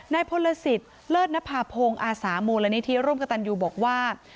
นายพลสิทธ์เลิศนภาพงอาสาโมระนิทีร่วมกะตันยุบอกว่า